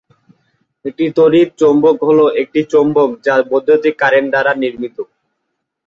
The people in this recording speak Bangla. একটি তড়িৎ চৌম্বক হল একটি চৌম্বক যা বৈদ্যুতিক কারেন্ট দ্বারা নির্মিত।